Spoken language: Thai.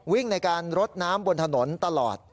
วิ่งในการรดน้ำบนถนนตลอด